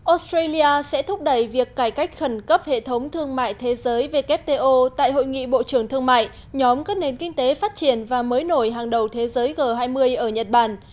australia sẽ thúc đẩy việc cải cách khẩn cấp hệ thống thương mại thế giới wto tại hội nghị bộ trưởng thương mại nhóm các nền kinh tế phát triển và mới nổi hàng đầu thế giới g hai mươi ở nhật bản